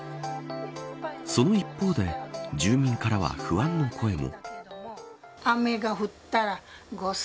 その一方で住民からは不安の声も。